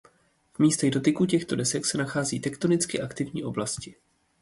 V místech dotyku těchto desek se nachází tektonicky aktivní oblasti.